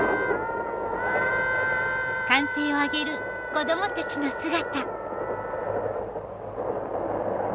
歓声を上げる子供たちの姿。